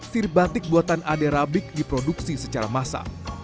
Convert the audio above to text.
sirip batik buatan ade rabik diproduksi secara massal